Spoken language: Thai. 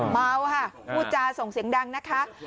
เมาค่ะพูดจาส่งเสียงดังนะคะ